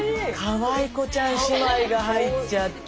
かわいこちゃん姉妹が入っちゃって。